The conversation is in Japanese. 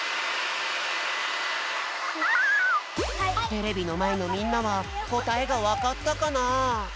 テレビのまえのみんなはこたえがわかったかな？